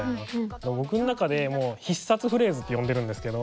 僕の中で「必殺フレーズ」って呼んでるんですけど。